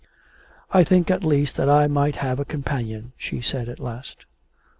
'I think at least that I might have a companion,' she said at last.